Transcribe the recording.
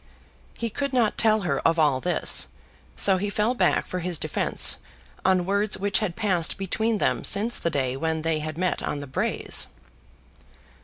He could not tell her of all this, so he fell back for his defence on words which had passed between them since the day when they had met on the braes.